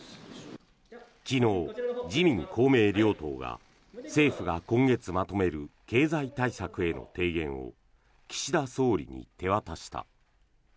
昨日、自民・公明両党が政府が今月まとめる経済対策への提言を岸田総理に手渡した。